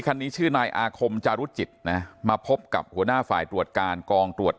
คันนี้ชื่อนายอาคมจารุจิตนะมาพบกับหัวหน้าฝ่ายตรวจการกองตรวจ